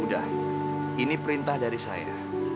udah ini perintah dari saya